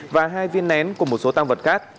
và hai viên nén cùng một số tăng vật khác